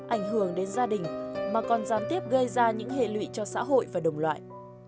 ảnh hưởng đến gia đình mà còn gián tiếp gây ra những hệ lụy cho xã hội và đồng loại